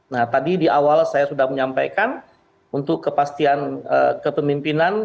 nah tadi di awal saya sudah menyampaikan untuk kepastian kepemimpinan